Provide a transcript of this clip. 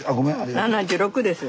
７６です。